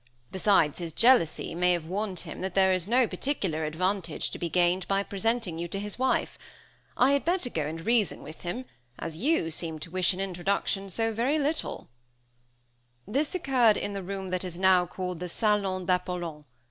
Besides, his jealousy may have warned him that there is no particular advantage to be gained by presenting you to his wife; I had better go and reason with him, as you seem to wish an introduction so very much." This occurred in the room that is now called the "Salon d'Apollon."